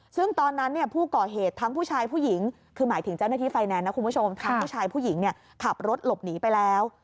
ซึ่งตอนนั้นผู้ก่อเหตุทั้งผู้ชายผู้หญิงคือหมายถึงเจ้าหน้าที่ไฟแนนซ์นะคุณผู้ชมทั้งผู้ชายผู้หญิงเนี่ยขับรถหลบหนีไปแล้ว